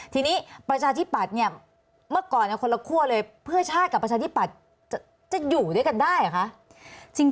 ทีนี้ประชาธิปัตย์เนี่ยเมื่อก่อนคนละคั่วเลยเพื่อชาติกับประชาธิปัตย์จะอยู่ด้วยกันได้เหรอคะ